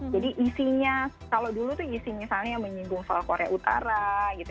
jadi isinya kalau dulu itu isi misalnya yang menyinggung soal korea utara gitu